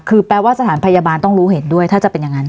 คือแปลว่าสถานพยาบาลต้องรู้เห็นด้วยถ้าจะเป็นอย่างนั้น